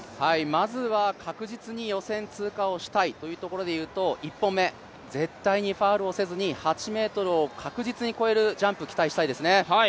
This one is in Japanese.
まずは確実に予選通過してというところでいうと、１本目、絶対にファウルをせずに、８ｍを確実に越えるジャンプを期待したいですね。